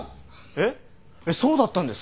えっそうだったんですか？